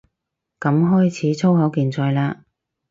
噉開始粗口競賽嘞